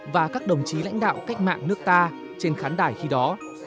và các đồng chí lãnh đạo cách mạng nước ta trên khán đài khi đó